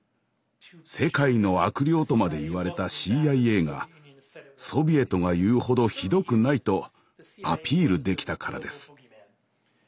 世界の悪霊とまで言われたＣＩＡがソビエトが言うほどひどくないとアピールできたからです。